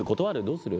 どうする？